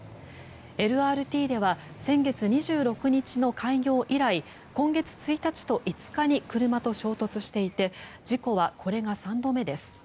ＬＲＴでは先月２６日の開業以来今月１日と５日に車と衝突していて事故はこれが３度目です。